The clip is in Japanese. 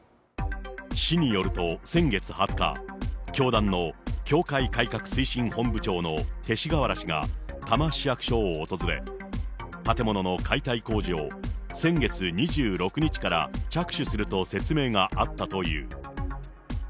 市によると、先月２０日、教団の教会改革推進本部長の勅使河原氏が多摩市役所を訪れ、建物の解体工事を先月２６日から着手すると説明があったという。